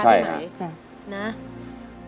ใช่ครับ